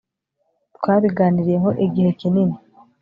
twabiganiriyehoigihe kinini